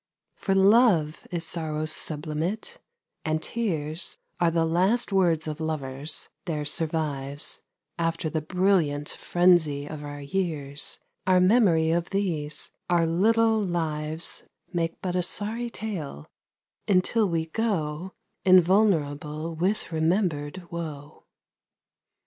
For love is sorrow's sublimate, and tears Are the last words of lovers, there survives After the brilliant frenzy of our years, Our memory of these ; our little lives Make but a sorry tale, until we go Invulnerable with remembered woe.